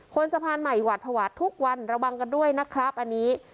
สะพานใหม่หวาดภาวะทุกวันระวังกันด้วยนะครับอันนี้